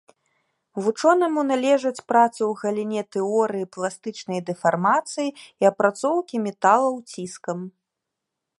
Вучонаму належаць працы ў галіне тэорыі пластычнай дэфармацыі і апрацоўкі металаў ціскам.